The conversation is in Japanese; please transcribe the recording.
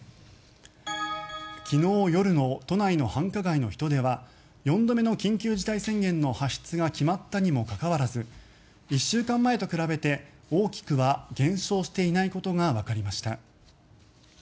昨日夜の都内の繁華街の人出は４度目の緊急事態宣言の発出が決まったにもかかわらず１週間前と比べて大きくは減少していないことがわかりました。